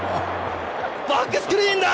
バックスクリーンだ！